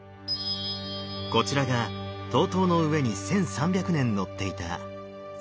こちらが東塔の上に１，３００年のっていた水煙。